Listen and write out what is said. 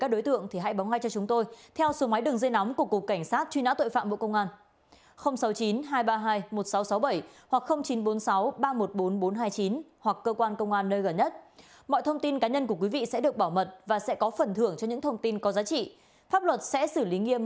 đối tượng này có nốt rùi cách ba cm sau mép phải